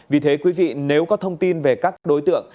vì thế quý vị nếu có thông tin về các đối tượng